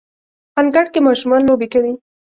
انګړ کې ماشومان لوبې کوي